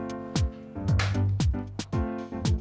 udah aku kasih mama